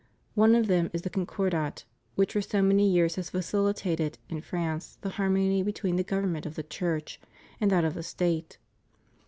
... One of them is the Concordat, which for so many years has facilitated in France the harmony between the government of the Church and that of the State.